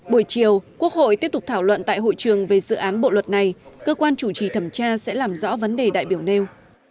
buổi chiều quốc hội tiếp tục thảo luận tại hội trường về dự án bộ luật này cơ quan chủ trì thẩm tra sẽ làm rõ vấn đề đại biểu nêu